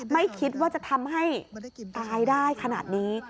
ไม่คิดว่าจะทำให้ตายได้ขนาดนี้